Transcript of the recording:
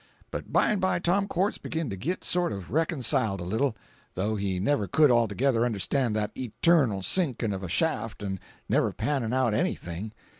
But by an' by Tom Quartz begin to git sort of reconciled a little, though he never could altogether understand that eternal sinkin' of a shaft an' never pannin' out any thing.